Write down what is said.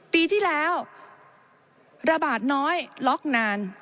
ปีที่แล้วระบาดน้อยล็อกนาน